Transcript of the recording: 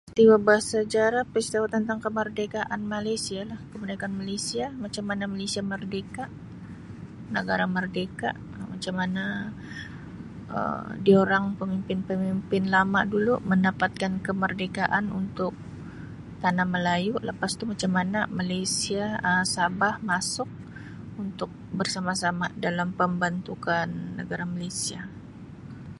Peristiwa barsajarah ialah peristiwa tentang kemerdekaan Malaysialah. Kemerdekaan Malaysia, macam mana Malaysia merderka, negara merdeka Um macam mana Um diorang pemimpin-pemimpin lama dulu mendapatkan kemerdekaan untuk Tanah Melayu, lepas tu macam mana Malaysia Um Sabah masuk untuk bersama-sama dalam pembantukan negara Malaysia.